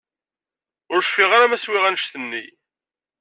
Ur cfiɣ ara ma swiɣ annect-nni.